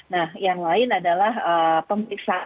nah yang lain adalah pemeriksaan